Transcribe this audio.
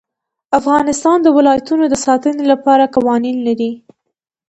افغانستان د ولایتونو د ساتنې لپاره قوانین لري.